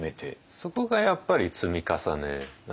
そこがやっぱり積み重ねなんですよね。